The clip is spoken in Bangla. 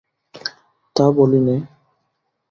তা বলি নে।